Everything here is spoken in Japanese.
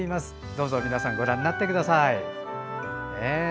どうぞ皆さんご覧になってください。